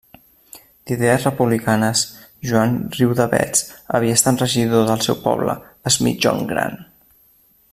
D'idees republicanes, Joan Riudavets havia estat regidor del seu poble, es Migjorn Gran.